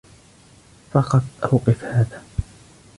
فقط أوقف هذا.